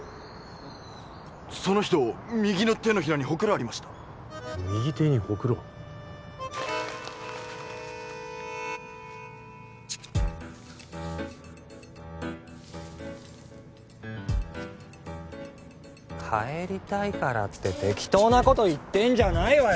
その人右の手のひらにホクロありました右手にホクロ帰りたいからって適当なこと言ってんじゃないわよ